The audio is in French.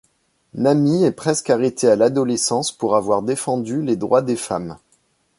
Nammi est presque arrêtée à l'adolescence pour avoir défendu les droits des femmes.